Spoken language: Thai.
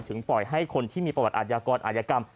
ถึงปล่อยให้คนที่มีประวัติอาธิการอาธิกรรม